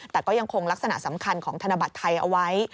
แต่ก็ยังคงลักษณะสำคัญของธนบัตรไทยเอาไว้